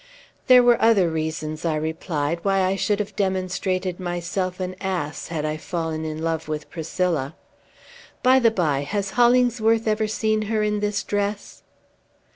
"There were other reasons," I replied, "why I should have demonstrated myself an ass, had I fallen in love with Priscilla. By the bye, has Hollingsworth ever seen her in this dress?"